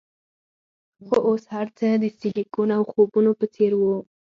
خو اوس هرڅه د سیلیکون او خوبونو په څیر وو